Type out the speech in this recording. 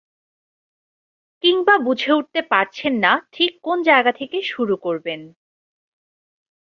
কিংবা বুঝে উঠতে পারছেন না, ঠিক কোন জায়গা থেকে শুরু করবেন।